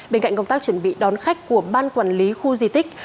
bên cạnh công tác chuẩn bị đón khách của ban quản lý khu di tích